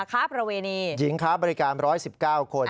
ค้าประเวณีหญิงค้าบริการ๑๑๙คน